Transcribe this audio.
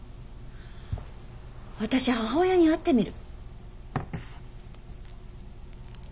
私母親に会ってみる。